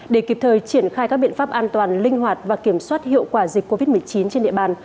để kịp thời triển khai các biện pháp an toàn linh hoạt và kiểm soát hiệu quả dịch covid một mươi chín trên địa bàn